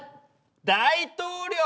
大統領⁉